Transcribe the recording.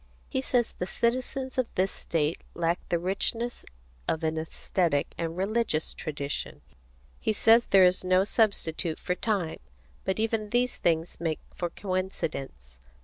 He says the citizens of this state lack the richness of an æsthetic and religious tradition. He says there is no substitute for time. But even these things make for coincidence.